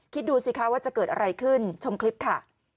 คิดดูสิคะว่าจะเกิดอะไรขึ้นชมคลิปค่ะ